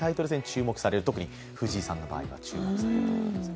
注目される、特に藤井さんの場合は注目されます。